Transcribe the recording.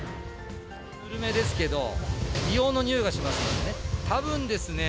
ぬるめですけど、硫黄のにおいがしますのでね。